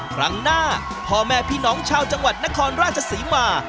ครั้งหน้าพ่อแม่พี่น้องชาวจังหวัดนครราชศรีมา